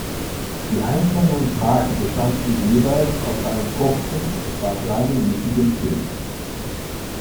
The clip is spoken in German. Die einzelnen Fragen bestanden jeweils aus einem kurzen etwa dreiminütigen Film.